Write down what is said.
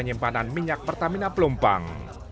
menyimpanan minyak pertamina plumpang